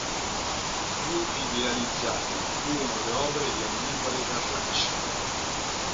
Più idealizzate furono le opere di Annibale Carracci.